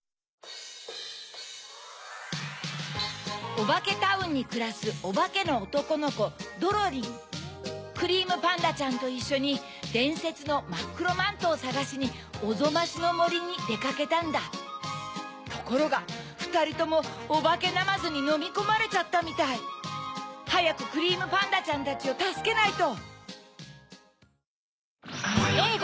オバケタウンにくらすオバケのおとこのコドロリンクリームパンダちゃんといっしょにでんせつのまっくろマントをさがしにおぞましのもりにでかけたんだところがふたりともオバケナマズにのみこまれちゃったみたいはやくクリームパンダちゃんたちをたすけないと！